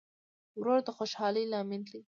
ورور د خوشحالۍ لامل دی.